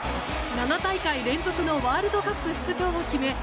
７大会連続のワールドカップ出場を決め